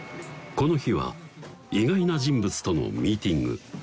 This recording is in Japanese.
この日は意外な人物とのミーティング